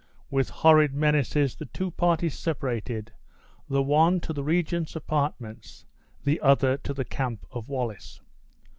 With horrid menaces the two parties separated, the one to the regent's apartments, the other to the camp of Wallace.